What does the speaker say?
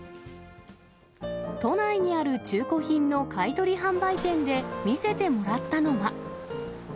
都内にある中古品の買い取り販売店で見せてもらったのは。